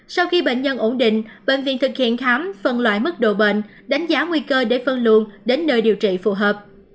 sau khi bệnh nhân ổn định bệnh viện thực hiện khám phân loại mức độ bệnh đánh giá nguy cơ để phân luồn đến nơi điều trị phù hợp